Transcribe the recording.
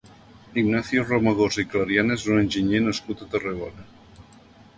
Ignacio Romagosa i Clariana és un enginyer nascut a Tarragona.